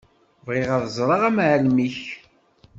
Bɣiɣ ad ẓreɣ amεellem-ik.